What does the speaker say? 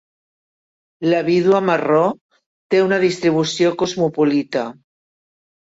La vídua marró té una distribució cosmopolita.